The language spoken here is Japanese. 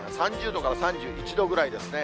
３０度から３１度ぐらいですね。